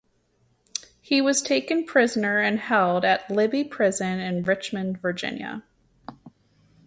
He was taken prisoner and held at Libby Prison in Richmond, Virginia.